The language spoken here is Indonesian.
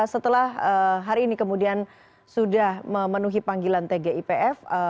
setelah hari ini kemudian sudah memenuhi panggilan tgipf